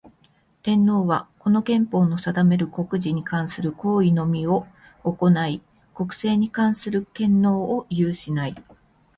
天皇は、この憲法の定める国事に関する行為のみを行ひ、国政に関する権能を有しない。